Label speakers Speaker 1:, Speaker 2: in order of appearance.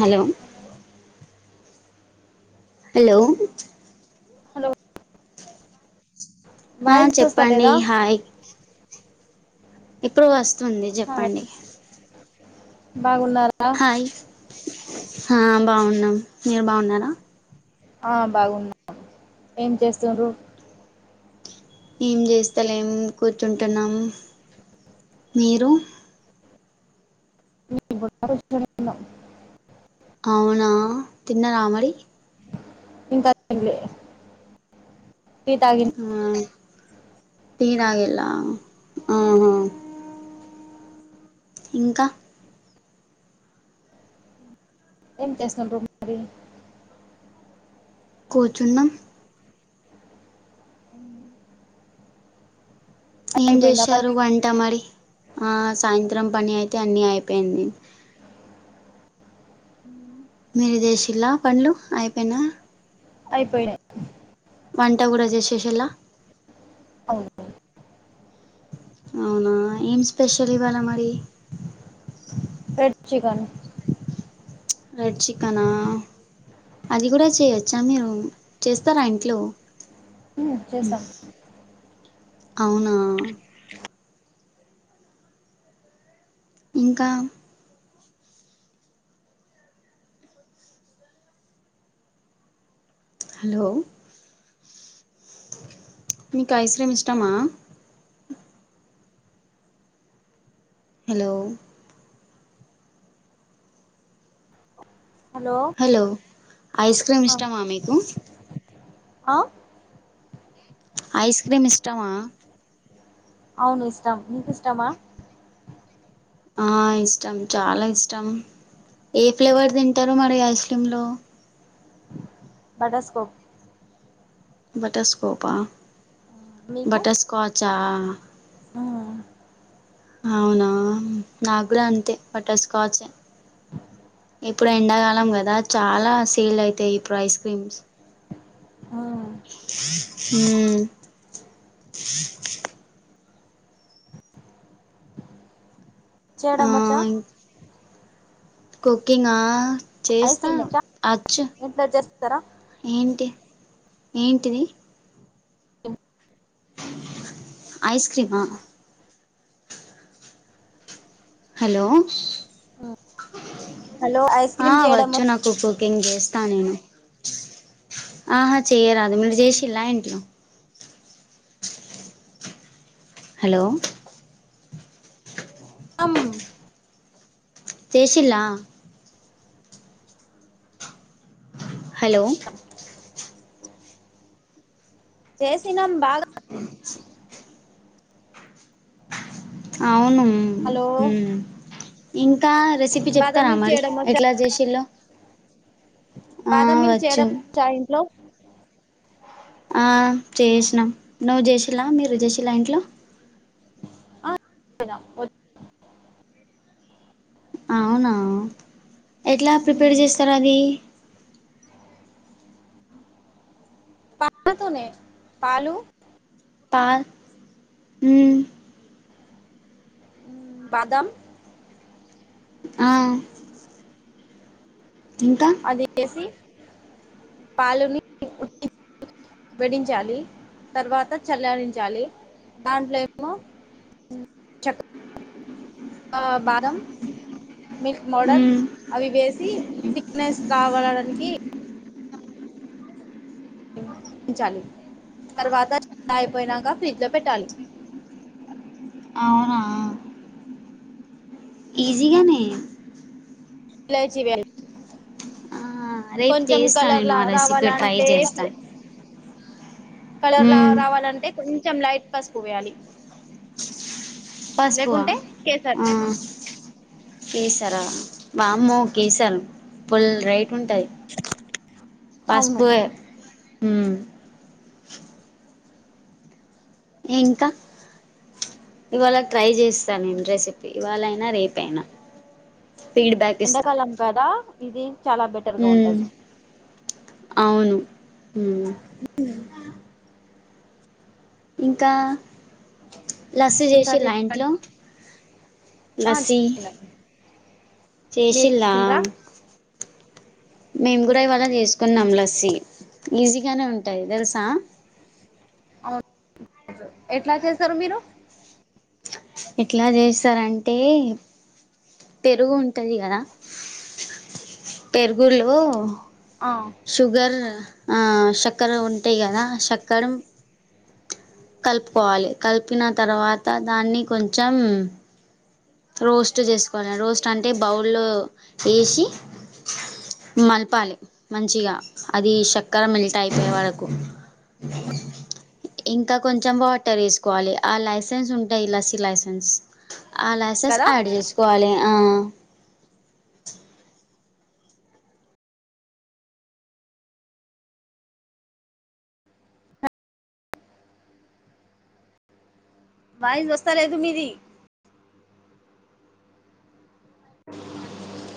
Speaker 1: Hello hello
Speaker 2: hello
Speaker 1: ఆ
Speaker 2: voice
Speaker 1: చెప్పండి
Speaker 2: వస్తలేదా
Speaker 1: హాయ్ ఎప్పుడు వస్తుంది చెప్పండి
Speaker 2: బాగున్నారా
Speaker 1: హాయ్ ఆ బాగున్నాం మీరు బాగున్నారా
Speaker 2: ఆ బాగున్నాను ఏం చేస్తున్రు
Speaker 1: ఏం చేస్తలేం కూర్చుంటున్నాం మీరు
Speaker 2: [unintelligible]
Speaker 1: అవునా తిన్న రామరి
Speaker 2: ఇంకా తిన లే
Speaker 1: ఆ తీవలా ఆ ఇంకా
Speaker 2: ఏంచేస్తాండ్రు మరి
Speaker 1: కూర్చున్నా ఏం
Speaker 2: అయిపోయిందా పని
Speaker 1: చేసారు వంట మరి ఆ సాయంత్రం పని అయితే అన్నీ అయిపోయింది మీరు చేసిల్లా పనులు అయిపోయినా
Speaker 2: అయిపోయి
Speaker 1: వంట కూడా చేసేసేలా
Speaker 2: అవునవును
Speaker 1: అవునా ఏం స్పెషల్ ఇవ్వాలా మరి
Speaker 2: రెడ్ చికెన్
Speaker 1: రెడ్ చికెనా అది కూడా చేయచ్చా మీరు చేస్తారా ఇంట్లో
Speaker 2: మ్ చేసాం
Speaker 1: అవునా ఇంకా హలో మీకు ఐస్ క్రీమ్ ఇష్టమా హలో
Speaker 2: అ
Speaker 1: హలో ఐస్ క్రీమ్ ఇష్టమా మీకు
Speaker 2: ఆ
Speaker 1: ఐస్ క్రీమ్ ఇష్టమా
Speaker 2: అవును ఇష్టం మీకు ఇష్టమా
Speaker 1: ఆ ఇష్టం చాలా ఇష్టం ఏ ఫ్లేవర్ తింటారు మరి ఐస్ క్రీమ్ లో
Speaker 2: బటర్స్కోప్
Speaker 1: బటర్ స్కోపా బటర్ స్కాచ్
Speaker 2: ఆ
Speaker 1: అవునా నాకు కూడా అంతే బటర్స్కాచెఇప్పుడు ఎండాకాలం కదా అద చాలా సేల్ అయితాయి ఇప్పుడు ఐస్ క్రీమ్స్
Speaker 2: ఆ
Speaker 1: మ్ ఆ
Speaker 2: చేయడం వొచ్చా
Speaker 1: కుకింగా...
Speaker 2: ఐస్
Speaker 1: చేస్తా
Speaker 2: క్రీమ్ వచ్చా
Speaker 1: అచ్చు
Speaker 2: ఇంట్లో చేస్తారా
Speaker 1: ఏంటి ఏంటిది ఐస్ క్రీమా హలో
Speaker 2: హలో ఐస్
Speaker 1: ఆ
Speaker 2: క్రీమ్ చేయడం
Speaker 1: వచ్చు
Speaker 2: వచ్చా
Speaker 1: నాకు కుక్ కింగ్ చేస్తా నేను ఆహా చెయరాదు మీరు చేసిలా ఇంట్లో
Speaker 2: అ
Speaker 1: హలో
Speaker 2: అమ్
Speaker 1: చేషిల్లా హలో
Speaker 2: జేసినం బాగా
Speaker 1: అవును మ్..
Speaker 2: హలో
Speaker 1: మ్.. ఇంకా రెసిపీ
Speaker 2: బాదం
Speaker 1: చెప్తారా
Speaker 2: మిల్క్
Speaker 1: మరి
Speaker 2: చేయడం వచ్చా
Speaker 1: ఎట్లా చేసిల్లో ఆ
Speaker 2: బాదం మిల్క్
Speaker 1: వచ్చు
Speaker 2: చేయడం వచ్చా ఇంట్లో
Speaker 1: ఆ చేషినాం నువ్వు చేషిలా మీరు చేషిలా ఇంట్లో
Speaker 2: ఆ
Speaker 1: అవునా ఎట్లా ప్రిపేర్
Speaker 2: మ్మ్.
Speaker 1: చేస్తారు అది
Speaker 2: పప్పుతోనే పాలు
Speaker 1: పా. మ్
Speaker 2: బాదం
Speaker 1: ఆ ఇంకా
Speaker 2: అదిఏసి పాలుని ఉట్టి వేడించాలి, తర్వాత చలారించాలి, దాంట్లోమో. చెక్కె, అ బాదం మిల్క్ మోడల్
Speaker 1: మ్మ్
Speaker 2: అవి వేసి థిక్నెస్ కావడడానికి చాలి తర్వాత అయిపోయినాక ఫ్రిడ్జ్ లో పెట్టాలి
Speaker 1: అవునా ఈస్జ్ గానే
Speaker 2: ఇలాచి వేయాలి.
Speaker 1: ఆ రేపు
Speaker 2: కొంచెం
Speaker 1: చేస్తా
Speaker 2: కలర్,
Speaker 1: నేను ఆ రెసిపీ ట్రై
Speaker 2: రావాలంటే
Speaker 1: చేస్తా
Speaker 2: ఫర్. కలర్ రా
Speaker 1: మ్మ్
Speaker 2: రావాలంటే, కొంచెం లైట్ పసుపు వేయాలి.
Speaker 1: పసుపుఅ
Speaker 2: లేకుంటే కేసర్
Speaker 1: అ కేసరా, వామ్మో కేసర్ ఫుల్ రైట్ ఉంటది.
Speaker 2: అవును
Speaker 1: పసుపుయే మ్ ఇంకా ఇవాళ ట్రై చే స్తా, నేను రెసిపీ ఇవాళైనా రేపయినా.
Speaker 2: ఎండాకాలం గదా, ఇది చాలా బెటర్గా
Speaker 1: మ్మ్
Speaker 2: ఉంటది.
Speaker 1: అవును మ్మ్
Speaker 2: ఉ ఊ
Speaker 1: ఇంకా లస్సీ
Speaker 2: ఇంకా
Speaker 1: చేసిరా, ఇంట్లో
Speaker 2: చెప్పండి ఆ
Speaker 1: లస్సీ
Speaker 2: చేసినా మీరు
Speaker 1: చేసిలా,
Speaker 2: చేసిండ్రా
Speaker 1: మేము కూడా ఇవాళ చేసుకున్నాం. లస్సి ఈజీగానే ఉంటది. తెలుసా
Speaker 2: అవున ఎట్లా చేస్తారు. మీరు
Speaker 1: ఎట్లా చేస్తారంటే. పెరుగు ఉంటది. గదా పెరుగులో
Speaker 2: ఆ
Speaker 1: షుగర్ అ షెక్కర ఉంటయి. గదా షెక్కర కలుపుకోవాలి. కలిపిన తర్వాత దాన్ని కొంచెం రోస్ట్ చేసుకోవాల, రోస్ట్ అంటే బౌల్లో ఎసి మలపాలి మంచిగా, అది షెక్కర మిల్ట్ అయిపోయే వారకు. ఇంకా, కొంచెం వాటర్ ఎసుకోవాలి. ఆ లైసెన్స్ ఉంటాయి. లస్సి లైసెన్స్ అ ఎస్
Speaker 2: కదా
Speaker 1: యాడ్ చేసుకోవాలి. అ
Speaker 2: వాయ్స్ వస్తా లేదు, మీది